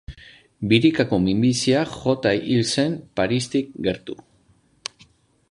Birikako minbiziak jota hil zen Paristik gertu.